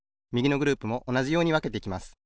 みぎのグループもおなじようにわけていきます。